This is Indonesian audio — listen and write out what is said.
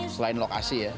selain lokasi ya